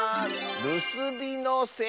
「るすびのせ」！